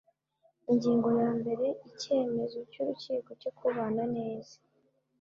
ingingo ya mbere icyemezo cy urukiko cyo kubana neza